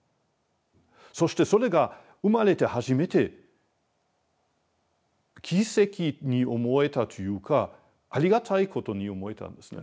そしてそれが生まれて初めて奇跡に思えたというかありがたいことに思えたんですね。